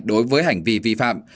đối với hành vi vi phạm